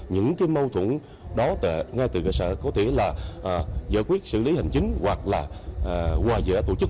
những cái mâu thuẫn đó ngay từ cơ sở có thể là giải quyết xử lý hành chính hoặc là hòa dẻ tổ chức